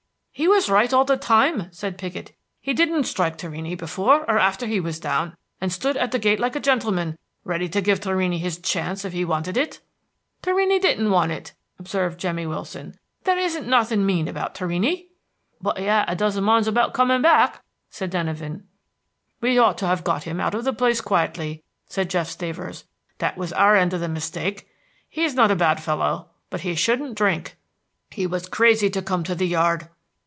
"He was right all the time," said Piggott. "He didn't strike Torrini before or after he was down, and stood at the gate like a gentleman, ready to give Torrini his chance if he wanted it." "Torrini didn't want it," observed Jemmy Willson. "Ther' isn't nothing mean about Torrini." "But he 'ad a dozen minds about coming back," said Denyven. "We ought to have got him out of the place quietly," said Jeff Stavers; "that was our end of the mistake. He is not a bad fellow, but he shouldn't drink." "He was crazy to come to the yard."